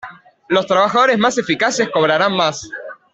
Los trabajadores más eficaces cobrarán más.